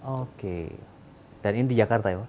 oke dan ini di jakarta ya pak